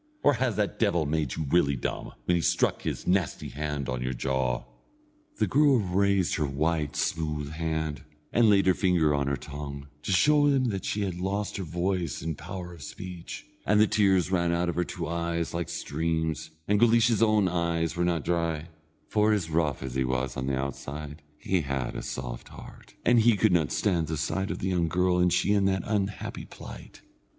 Or has that devil made you really dumb, when he struck his nasty hand on your jaw?" The girl raised her white smooth hand, and laid her finger on her tongue, to show him that she had lost her voice and power of speech, and the tears ran out of her two eyes like streams, and Guleesh's own eyes were not dry, for as rough as he was on the outside he had a soft heart, and could not stand the sight of the young girl, and she in that unhappy plight.